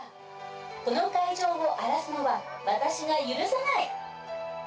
この会場を荒らすのは私が許さない！